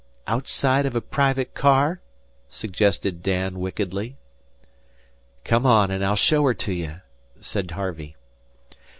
"Outside of a private car?" suggested Dan, wickedly. "Come on, and I'll show her to you," said Harvey.